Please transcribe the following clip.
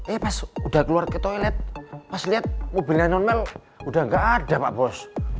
eh pas udah keluar ke toilet pas lihat mobilnya normal udah nggak ada pak bos